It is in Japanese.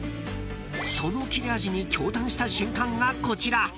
［その切れ味に驚嘆した瞬間がこちら］